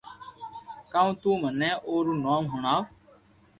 ڪاو تو منو او رو نوم ھڻَاوُ